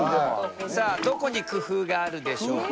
さあどこに工夫があるでしょうか？